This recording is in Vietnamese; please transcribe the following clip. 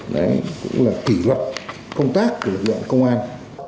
đấy cũng là kỷ luật công tác của lực lượng công an